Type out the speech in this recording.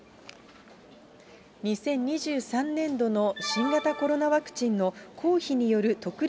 ２０２３年度の新型コロナワクチンの公費による特例